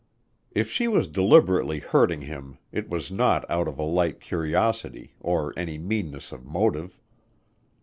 If she was deliberately hurting him it was not out of a light curiosity or any meanness of motive.